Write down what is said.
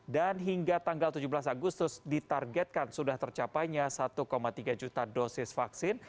dan hingga tanggal tujuh belas agustus ditargetkan sudah tercapainya satu tiga juta dosis vaksin